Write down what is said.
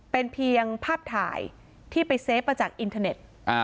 เป็นเพียงภาพถ่ายที่ไปเซฟมาจากอินเทอร์เน็ต